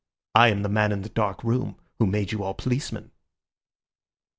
I am the man in the dark room, who made you all policemen."